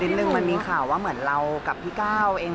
หนึ่งมันมีข่าวว่าเหมือนเรากับพี่ก้าวเอง